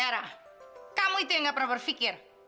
era kamu itu yang nggak pernah berpikir